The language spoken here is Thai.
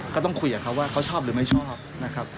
ก็ต้องคุยกับเขาว่าเขาชอบหรือไม่ชอบนะครับ